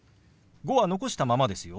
「５」は残したままですよ。